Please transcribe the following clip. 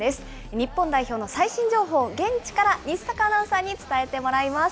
日本代表の最新情報、現地から、西阪アナウンサーに伝えてもらいます。